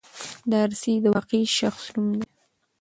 دارسي د واقعي شخص نوم و.